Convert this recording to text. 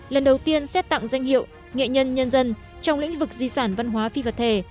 lần đầu tiên xét tặng danh hiệu nghệ nhân nhân dân trong lĩnh vực di sản văn hóa phi vật thể